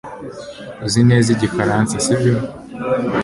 Uzi neza Igifaransa sibyo